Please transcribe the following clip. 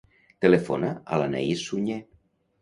Telefona a l'Anaïs Suñer.